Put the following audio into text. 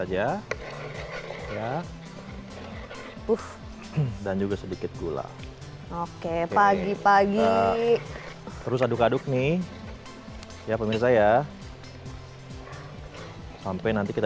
aja ya uf dan juga sedikit gula oke pagi pagi terus aduk aduk nih ya pemirsa ya sampai nanti kita